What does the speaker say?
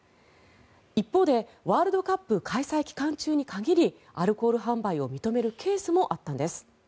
一方で、ワールドカップ開催期間中に限りアルコール販売を認めるケースもあったんです。